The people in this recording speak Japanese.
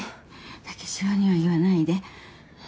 武四郎には言わないで